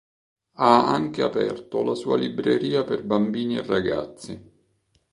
Ha anche aperto la sua libreria per bambini e ragazzi.